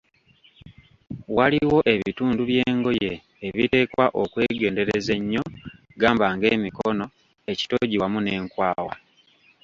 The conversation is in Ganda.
Waliwo ebitundu by'engoye ebiteekwa okwegendereza ennyo, gamba ng'emikono, ekitogi wamu n'enkwawa.